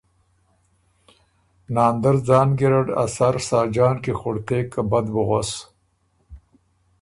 ناندر ځان ګیرډ ا سر ساجان کی خُړتېک که بد بُو غوَس۔